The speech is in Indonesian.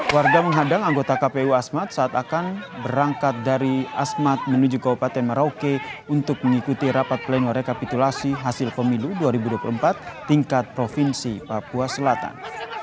warga menghadang anggota kpu asmat saat akan berangkat dari asmat menuju kabupaten merauke untuk mengikuti rapat pleno rekapitulasi hasil pemilu dua ribu dua puluh empat tingkat provinsi papua selatan